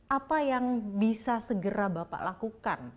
apa yang bisa segera bapak lakukan